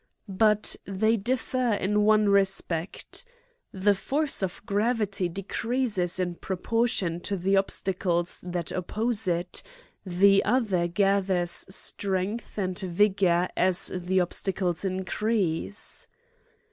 But they differ in one respect ; the force of gravity decreases in proportion to the obstacles that oppose it, » the other gathers strength and vigour as the obstacles increase.